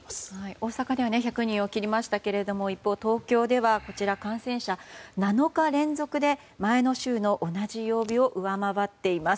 大阪では１００人を切りましたけども一方、東京では感染者７日連続で前の週の同じ曜日を上回っています。